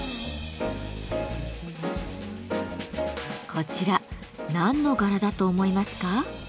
こちら何の柄だと思いますか？